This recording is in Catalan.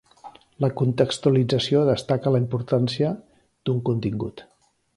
La contextualització destaca la importància d'un contingut.